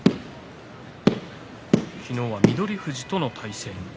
昨日は翠富士との対戦。